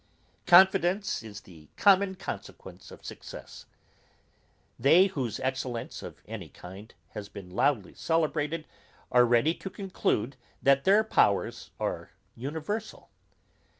Confidence is the common consequence of success. They whose excellence of any kind has been loudly celebrated, are ready to conclude, that their powers are universal.